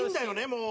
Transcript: もう。